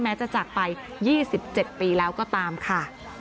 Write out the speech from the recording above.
จะจากไป๒๗ปีแล้วก็ตามค่ะ